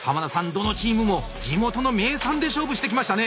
どのチームも地元の名産で勝負してきましたね。